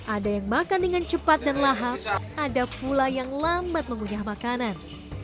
ada yang makan dengan cepat dan lahap ada pula yang lambat mengunyah makanan